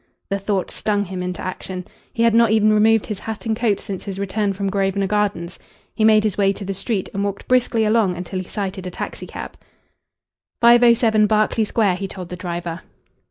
The thought stung him to action. He had not even removed his hat and coat since his return from Grosvenor Gardens. He made his way to the street and walked briskly along until he sighted a taxicab. "507 Berkeley Square," he told the driver.